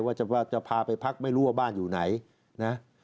ว่าจะพาไปพักไม่รู้ว่าบ้านอยู่ไหนนะ